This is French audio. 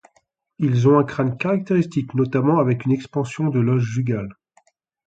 Ils ont un crâne caractéristique, notamment avec une expansion de l'os jugal.